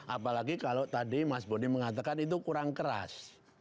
apalagi kalau tadi mas bodi mengatakan itu kurang keras